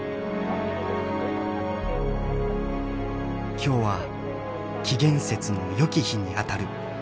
「今日は紀元節のよき日にあたる。